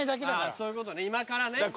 そういうことね今からね。